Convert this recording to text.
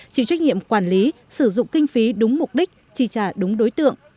chịu trách nhiệm quản lý sử dụng kinh phí đúng mục đích chi trả đúng đối tượng